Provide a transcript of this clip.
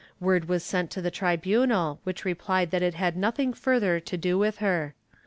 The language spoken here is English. Word was sent to the tribunal, which replied that it had nothing further to do with her.